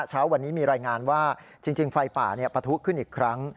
เช้าวันนี้มีรายงานว่าจริงไฟป่าปะทุขึ้นอีกครั้ง